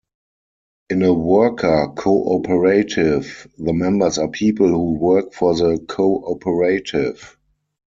In a worker cooperative, the members are people who work for the cooperative.